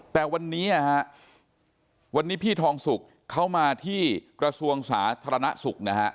แต่วันนี้พี่ทองสุกเข้ามาที่กระทรวงสาธารณสุก